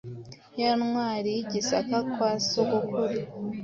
Ya ntwari y’i Gisaka, kwa sogokuru